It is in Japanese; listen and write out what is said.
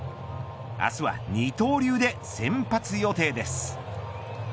明日は二刀流で先発予定です。